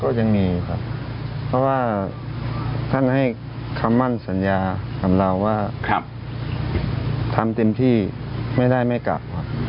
ก็ยังมีครับเพราะว่าท่านให้คำมั่นสัญญากับเราว่าทำเต็มที่ไม่ได้ไม่กลับครับ